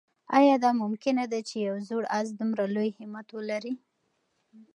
آیا دا ممکنه ده چې یو زوړ آس دومره لوی همت ولري؟